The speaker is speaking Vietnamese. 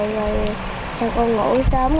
rồi sau con ngủ sớm